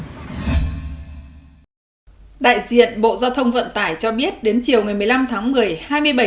đại diện bộ giao thông vận tải cho biết đến chiều một mươi năm tháng một mươi hai